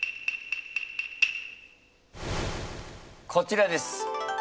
こちらです。